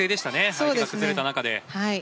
体勢が崩れた中で。